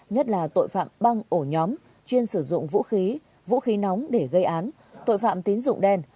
nhất là tội phạm băng ổ nhóm chuyên sử dụng vũ khí vũ khí nóng để gây án tội phạm tín dụng đen